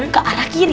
ke arah kiri